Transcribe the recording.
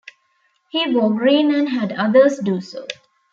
He wore green and had others do so.